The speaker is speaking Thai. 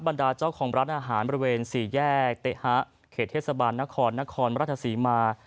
บรรดาเจ้าของร้านอาหารบริเวณสี่แยกเต๊ฮะเขตเทศบาลนครนครราชศรีมา